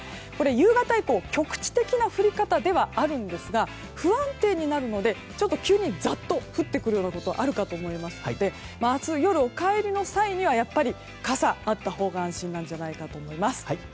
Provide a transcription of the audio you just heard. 夕方以降局地的な降り方ではあるんですが不安定になるので急に、ざっと降るようなこともあるかもしれませんので明日夜、お帰りの際には傘があったほうが安心じゃないかと思います。